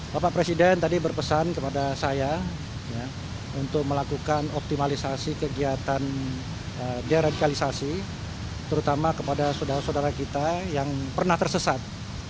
bapak presiden tadi berpesan kepada saya untuk melakukan optimalisasi kegiatan deradikalisasi terutama kepada saudara saudara kita yang pernah tersesat